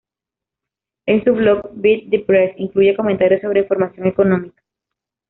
En su blog, "Beat the Press", incluye comentarios sobre información económica.